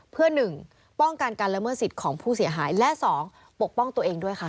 เพื่อ๑ป้องกันการละเมิดสิทธิ์ของผู้เสียหายและ๒ปกป้องตัวเองด้วยค่ะ